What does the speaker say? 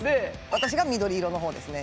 私が緑色のほうですね